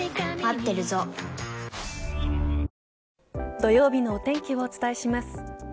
土曜日のお天気をお伝えします。